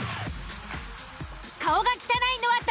顔が汚いのは誰？